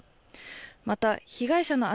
また、被害者の姉